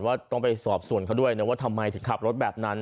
ว่าต้องไปสอบส่วนเขาด้วยนะว่าทำไมถึงขับรถแบบนั้น